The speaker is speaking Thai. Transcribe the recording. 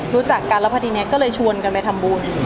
รู้จักกันแล้วพอดีนี้ก็เลยชวนกันไปทำบุญ